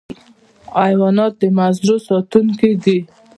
حیوانات د مزرعو ساتونکي دي.